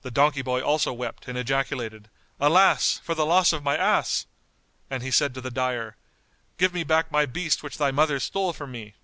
The donkey boy also wept and ejaculated, "Alas, for the loss of my ass!"; and he said to the dyer, "Give me back my beast which thy mother stole from me."